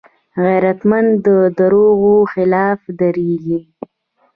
غیرتمند د دروغو خلاف دریږي